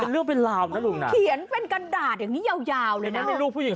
เหล่าโอ้ก็คือเล่าชนกว่านี้